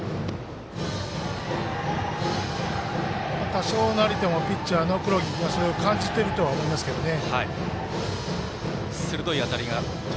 多少なりともピッチャーの黒木君がそれを感じているとは思いますけどね。